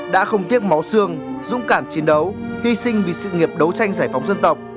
đã không tiếc máu xương dũng cảm chiến đấu hy sinh vì sự nghiệp đấu tranh giải phóng dân tộc